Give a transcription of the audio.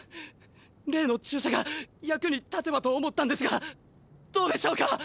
例の注射が役に立てばと思ったんですがどうでしょうか？